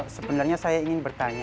sebenarnya saya ingin bertanya